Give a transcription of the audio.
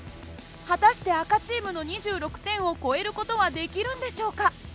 果たして赤チームの２６点を超える事はできるんでしょうか。